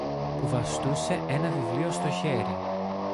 που βαστούσε ένα βιβλίο στο χέρι.